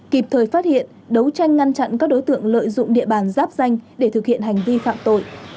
kịp thời phát hiện đấu tranh ngăn chặn các đối tượng lợi dụng địa bàn giáp danh để thực hiện hành vi phạm tội